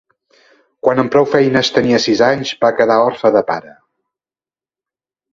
Quan amb prou feines tenia sis anys va quedar orfe de pare.